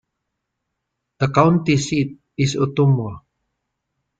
The county seat is Ottumwa.